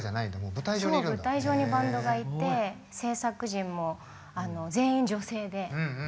舞台上にバンドがいて制作陣も全員女性で。